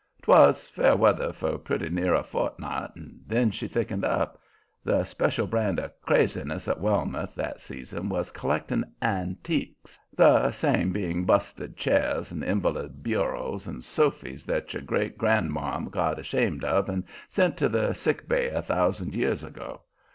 'Twas fair weather for pretty near a fortni't, and then she thickened up. The special brand of craziness in Wellmouth that season was collecting "antiques," the same being busted chairs and invalid bureaus and sofys that your great grandmarm got ashamed of and sent to the sickbay a thousand year ago.